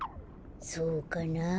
そうかなあ。